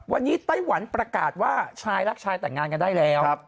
วันนี้ไต้หวันประกาศว่าชายรักชายแต่งงานกันได้แล้ว